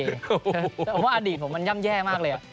แต่ว่าอดีตผมมันย่ำแย่มากเลย